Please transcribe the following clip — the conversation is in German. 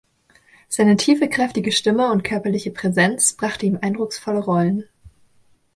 Seine tiefe, kräftige Stimme und körperliche Präsenz brachte ihm eindrucksvolle Rollen.